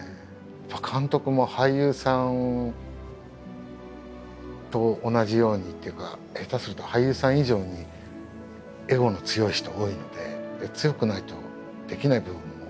監督も俳優さんと同じようにっていうか下手すると俳優さん以上に強くないとできない部分もありますし。